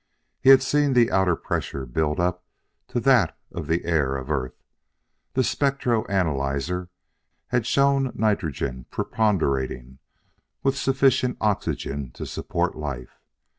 He had seen the outer pressure build up to that of the air of Earth; the spectro analyzer had shown nitrogen preponderating, with sufficient oxygen to support life.